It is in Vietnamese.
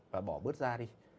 và bỏ bớt da đi